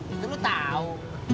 itu lu tau